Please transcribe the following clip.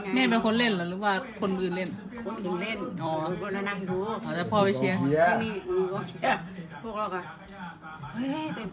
อ๋อสมัยก่อนมีบอลเล่นเลยเหรอ